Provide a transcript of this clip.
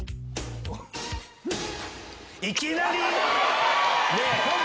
いきなり⁉え